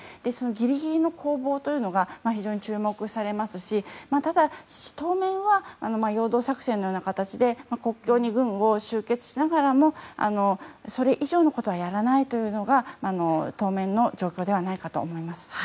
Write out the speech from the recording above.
ギリギリの攻防というのが非常に注目されますしただ、当面は陽動作戦のような形で国境に軍を集結しながらもそれ以上のことはやらないというのが当面の状況ではないかと思います。